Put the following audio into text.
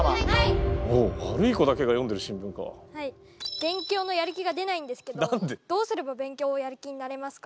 勉強のやる気が出ないんですけどどうすれば勉強をやる気になれますか？